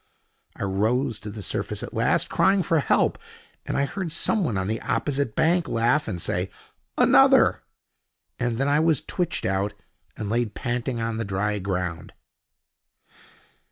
I rose to the surface at last, crying for help, and I heard someone on the opposite bank laugh and say: "Another!" And then I was twitched out and laid panting on the dry ground.